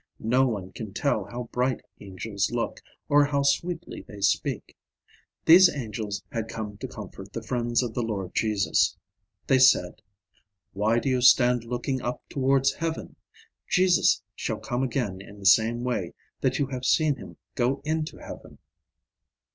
No one can tell how bright angels look, or how sweetly they speak. These angels had come to comfort the friends of the Lord Jesus. They said, "Why do you stand looking up towards heaven? Jesus shall come again in the same way that you have seen him go into heaven."